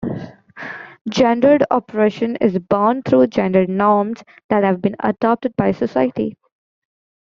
Gendered oppression is born through gender norms that have been adopted by society.